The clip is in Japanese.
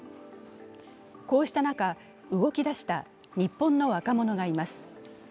こうした中、動き出した日本の若者がいます。